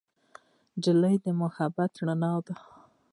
نجلۍ د محبت رڼا ده.